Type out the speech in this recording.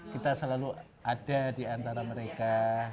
kita selalu ada diantara mereka